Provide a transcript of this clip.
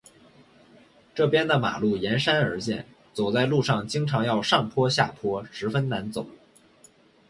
这边的马路沿山而建，走在路上经常要上坡下坡，十分难走。